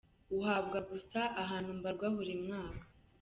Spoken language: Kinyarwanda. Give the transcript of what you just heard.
Uhabwa gusa abantu mbarwa buri mwaka .